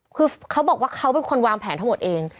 คือเขาบอกว่าเขาเป็นคนวางแผนทั้งหมดเอง